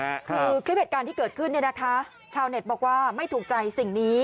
คือคลิปเหตุการณ์ที่เกิดขึ้นเนี่ยนะคะชาวเน็ตบอกว่าไม่ถูกใจสิ่งนี้